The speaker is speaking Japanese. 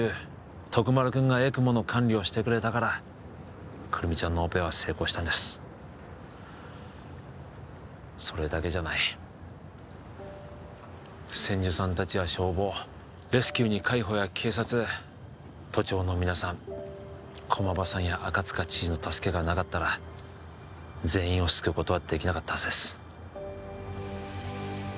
徳丸君がＥＣＭＯの管理をしてくれたから胡桃ちゃんのオペは成功したんですそれだけじゃない千住さん達や消防レスキューに海保や警察都庁の皆さん駒場さんや赤塚知事の助けがなかったら全員を救うことはできなかったはずです